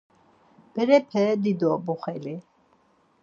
Berepe dido boxeli.